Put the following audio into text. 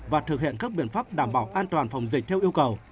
và thực hiện các biện pháp đảm bảo an toàn phòng dịch theo yêu cầu